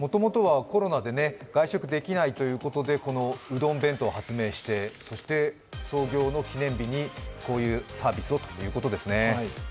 外食できないということで、このうどん弁当を発売してそして創業の記念日にこういうサービスをということですね。